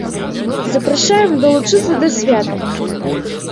Запрашаем далучыцца да свята!